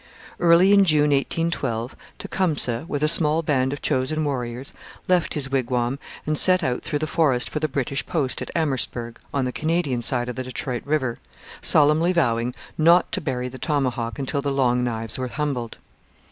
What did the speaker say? Early in June 1812 Tecumseh, with a small band of chosen warriors, left his wigwam and set out through the forest for the British post at Amherstburg on the Canadian side of the Detroit river, solemnly vowing not to bury the tomahawk until the Long Knives were humbled.